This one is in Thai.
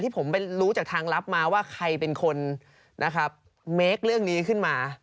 ผมไปรู้จากทางลับมาว่าใครเป็นคนนะครับเมคเรื่องนี้ขึ้นมา